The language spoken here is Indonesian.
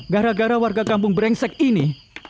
gara gara warga kampung brengsek ini